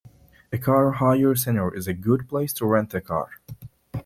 A car hire centre is a good place to rent a car